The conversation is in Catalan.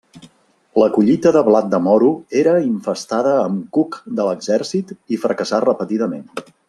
La collita de blat de moro era infestada amb cuc de l'exèrcit i fracassà repetidament.